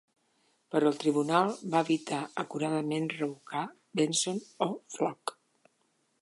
Però el tribunal va evitar acuradament revocar "Benson" o "Flook".